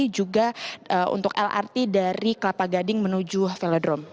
juga untuk lrt dari kelapa gading menuju velodrome